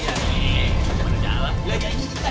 iya nih daripada jalan